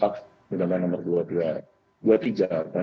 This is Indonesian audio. bidana nomor dua ratus dua puluh tiga dan dua ribu empat